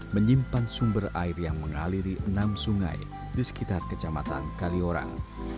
menyimpan sumber air yang mengaliri enam sungai di sekitar kecamatan kaliorang